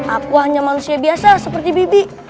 aku hanya manusia biasa seperti bibi